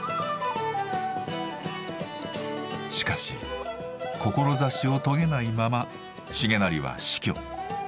しかし志を遂げないまま重成は死去。